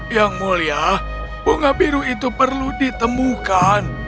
yang mulia bunga biru itu perlu ditemukan